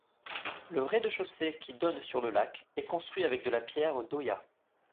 Le rez-de-chaussée qui donne sur le lac est construit avec de la pierre d'Ōya.